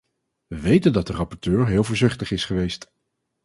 We weten dat de rapporteur heel voorzichtig is geweest.